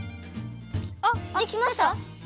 あっできました。